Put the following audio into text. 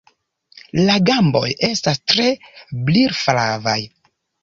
La gamboj estas tre brilflavaj.